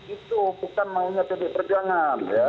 itu bukan mengingatkan perjuangan